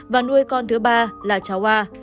và nuôi con thứ ba là cháu a